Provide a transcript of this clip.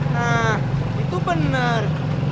nah itu bener